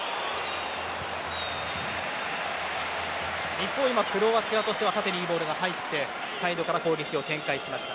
一方、クロアチアとしては縦にいいボールが入ってサイドから攻撃を展開しました。